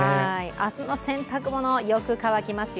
明日の洗濯物、よく乾きますよ。